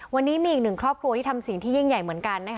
วันนี้มีอีกหนึ่งครอบครัวที่ทำสิ่งที่ยิ่งใหญ่เหมือนกัน